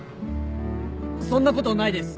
そんなことないです！